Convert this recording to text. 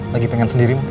lagi pengen sendiri mungkin